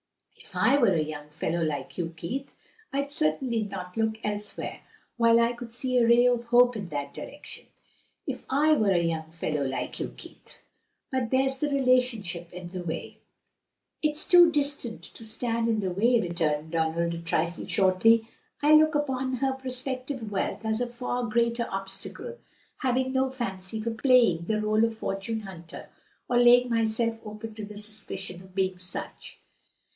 If I were a young fellow like you, Keith, I'd certainly not look elsewhere while I could see a ray of hope in that direction. But there's the relationship in the way." "It's too distant to stand in the way," returned Donald a trifle shortly, "I look upon her prospective wealth as a far greater obstacle, having no fancy for playing the rôle of fortune hunter, or laying myself open to the suspicion of being such."